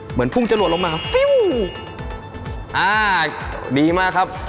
เหมือนพุ่งจรวดลงมาฟิวอ่าดีมากครับ